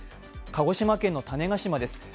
鹿児島県の種子島です。